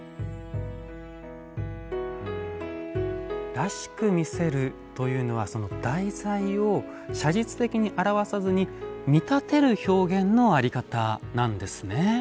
「らしく見せる」というのは題材を写実的に表さずに見立てる表現の在り方なんですね。